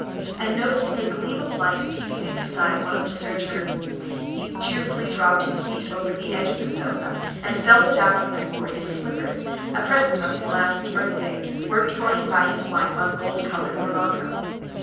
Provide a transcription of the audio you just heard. And noticing a gleam of light peeping in beside one of the serge curtains, he cheerfully dropped his feet over the edge of the sofa, and felt about with them for his slippers, a present on his last birthday, worked for him by his wife on gold colored morocco.